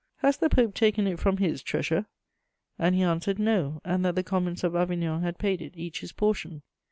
Has the Pope taken it from his treasure?' "And he answered no, and that the commons of Avignon had paid it, each his portion.